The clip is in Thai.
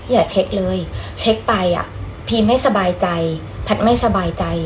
อย่าเช็คเลยเช็คไปอ่ะพีมไม่สบายใจแพทย์ไม่สบายใจ